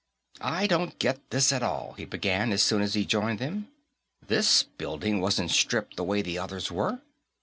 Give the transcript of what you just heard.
"I don't get this, at all," he began, as soon as he joined them. "This building wasn't stripped the way the others were.